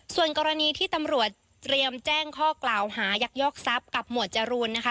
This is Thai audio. ส่วนกรณีที่ตำรวจเตรียมแจ้งข้อกล่าวหายักยอกทรัพย์กับหมวดจรูนนะคะ